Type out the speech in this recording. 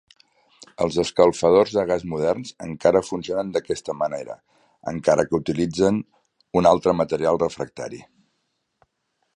Els escalfadors de gas moderns encara funcionen d'aquesta manera, encara que utilitzen un altre material refractari.